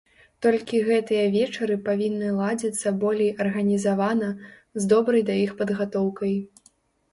Толькі гэтыя вечары павінны ладзіцца болей арганізавана, з добрай да іх падгатоўкай.